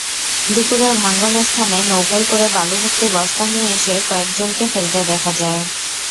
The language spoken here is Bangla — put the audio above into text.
দুপুরে ভাঙন স্থানে নৌকায় করে বালুভর্তি বস্তা নিয়ে এসে কয়েকজনকে ফেলতে দেখা যায়।